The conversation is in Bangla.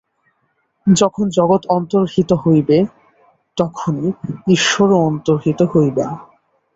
যখন জগৎ অন্তর্হিত হইবে, তখনই ঈশ্বরও অন্তর্হিত হইবেন।